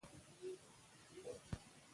کلي د افغانستان د صادراتو یوه برخه ده.